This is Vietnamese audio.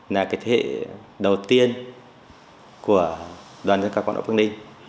là thế hệ đầu tiên của đoàn diễn cao quan họ phương đinh